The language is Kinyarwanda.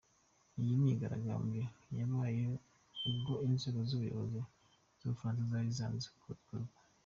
Iyi myigaragambyo yabaye ubwo inzego z’ubuyobozi z’Ubufaransa zari zanze ko ikorwa.